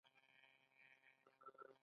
ما په خپله ځمکه رشکه کرلي دي